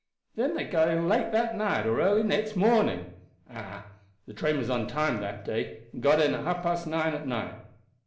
"Then they got in late that night or early next morning. Ah, the train was on time that day, and got in at half past nine at night.